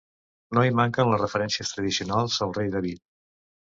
No hi manquen les referències tradicionals al rei David.